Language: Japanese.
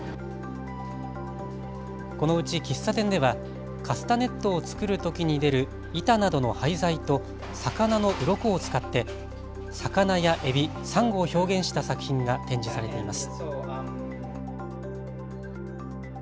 このうち喫茶店ではカスタネットを作るときに出る板などの廃材と魚のうろこを使って魚やえび、サンゴを表現した作品が展示されています。